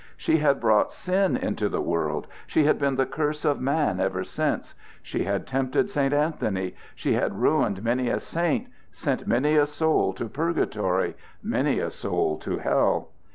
She had brought sin into the world. She had been the curse of man ever since. She had tempted St. Anthony. She had ruined many a saint, sent many a soul to purgatory, many a soul to bell.